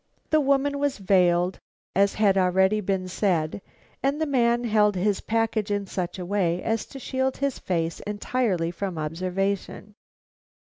The woman was veiled, as had already been said, and the man held his package in such a way as to shield his face entirely from observation.